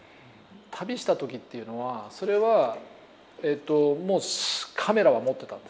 旅した時っていうのはそれはもうカメラは持ってたんですか。